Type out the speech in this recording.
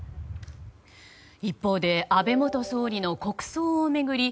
一方で安倍元総理の国葬を巡り